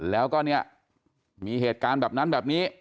แล้วก็เนี่ยมีเหตุการณ์แบบนั้นแบบนี้